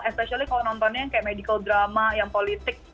especially kalau nontonnya yang kayak medical drama yang politik